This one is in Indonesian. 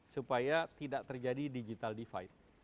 supaya tidak terjadi digital divide